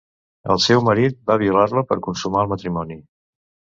El seu marit va violar-la per consumar el matrimoni.